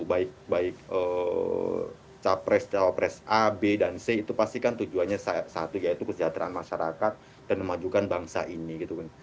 baik baik capres cawapres a b dan c itu pasti kan tujuannya satu yaitu kesejahteraan masyarakat dan memajukan bangsa ini gitu kan